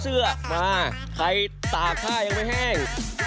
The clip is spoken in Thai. เสื้อมาใครตากผ้ายังไม่แห้ง